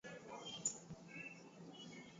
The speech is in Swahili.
au kukutana nao sasa wako hapa Ni juhudi za